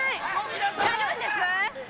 やるんです！？